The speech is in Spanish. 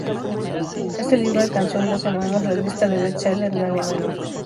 Este libro alcanzó en dos semanas la lista de bestsellers en Alemania.